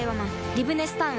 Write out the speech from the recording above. リブネスタウンへ